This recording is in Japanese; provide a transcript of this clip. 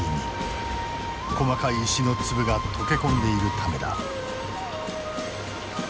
細かい石の粒が溶け込んでいるためだ。